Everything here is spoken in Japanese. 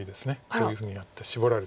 こういうふうにやってシボられて。